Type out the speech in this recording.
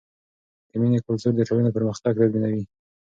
د مینې کلتور د ټولنې پرمختګ تضمینوي.